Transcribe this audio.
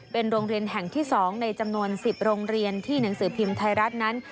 เป็นโรงเรียนแห่งที่๒ในจำนวน๑๐โรงเรียนที่หนังสือพิมพ์ไทยรัฐนั้น